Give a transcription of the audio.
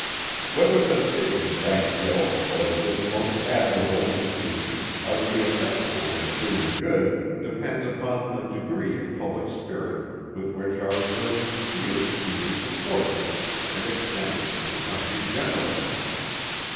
Whether the Savings' Bank Bill, or this most admirable Institution are to be effectual in doing good, depends upon the degree of Public Spirit with which our exertions here, may be supported and extended in the Country generally.